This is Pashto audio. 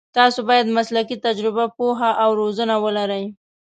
تاسو باید مسلکي تجربه، پوهه او روزنه ولرئ.